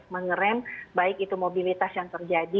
mengeram baik itu mobilitas yang terjadi